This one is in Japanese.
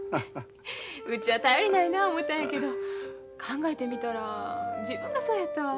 うちは頼りないな思たんやけど考えてみたら自分がそうやったわ。